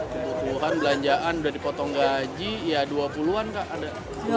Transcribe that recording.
kebutuhan belanjaan udah dipotong gaji ya dua puluh an kak ada